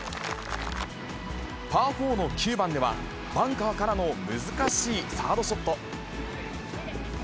パー４の９番では、バンカーからの難しいサードショット。